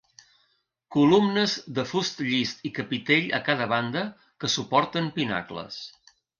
Columnes de fust llis i capitell a cada banda que suporten pinacles.